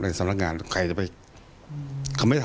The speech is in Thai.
สำนักงานใครจะไป